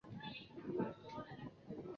母五台郡君。